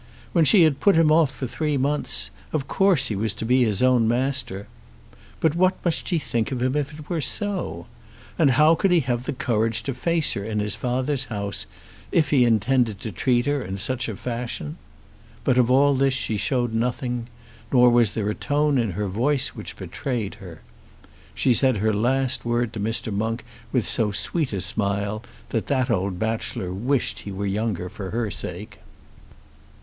When she had put him off for three months, of course he was to be his own master. But what must she think of him if it were so? And how could he have the courage to face her in his father's house if he intended to treat her in such a fashion? But of all this she showed nothing, nor was there a tone in her voice which betrayed her. She said her last word to Mr. Monk with so sweet a smile that that old bachelor wished he were younger for her sake.